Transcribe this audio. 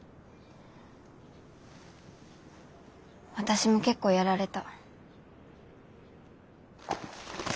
私も結構やられた。